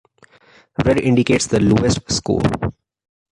Red indicates the lowest score.